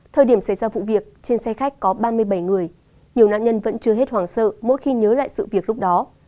thời điểm xảy ra vụ việc trên xe khách có ba mươi bảy người nhiều nạn nhân vẫn chưa hết hoàng sợ mỗi khi nhớ lại sự việc lúc đó